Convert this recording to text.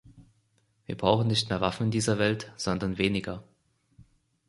Wir brauchen nicht mehr Waffen in dieser Welt, sondern weniger.